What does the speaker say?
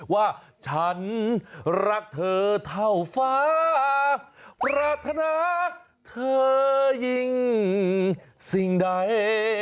ว่าฉันรักเธอเท่าฟ้าปรารถนาเธอยิ่งสิ่งใด